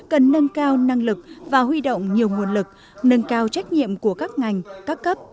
cần nâng cao năng lực và huy động nhiều nguồn lực nâng cao trách nhiệm của các ngành các cấp